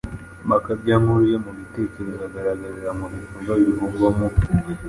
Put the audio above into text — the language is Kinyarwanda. Amakabyankuru yo mu gitekerezo agaragarira mu bikorwa bivugwamo,